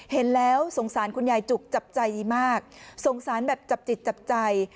เห็นแล้วสงสารคุณยายจุกจับใจมากสงสารแบบจับจิตจับใจ